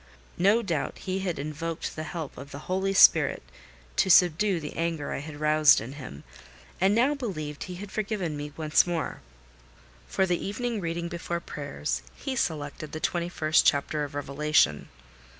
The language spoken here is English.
No doubt he had invoked the help of the Holy Spirit to subdue the anger I had roused in him, and now believed he had forgiven me once more. For the evening reading before prayers, he selected the twenty first chapter of Revelation.